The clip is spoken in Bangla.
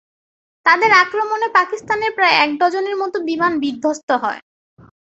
তাদের আক্রমণে পাকিস্তানের প্রায় এক ডজনের মতো বিমান বিদ্ধস্ত হয়।